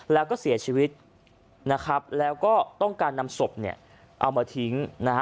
แล้วก็เสียชีวิตนะครับแล้วก็ต้องการนำศพเนี่ยเอามาทิ้งนะฮะ